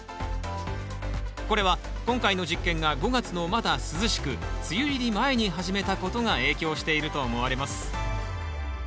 これは今回の実験が５月のまだ涼しく梅雨入り前に始めたことが影響していると思われます。